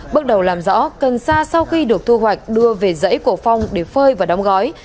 bước đầu làm rõ cần sa sau khi được thu hoạch đưa về dãy của phong để phơi và đóng gói